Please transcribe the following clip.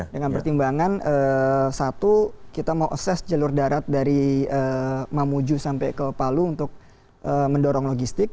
dengan pertimbangan satu kita mau ases jalur darat dari mamuju sampai ke palu untuk mendorong logistik